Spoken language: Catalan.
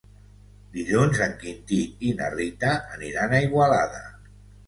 Dilluns en Quintí i na Rita aniran a Igualada.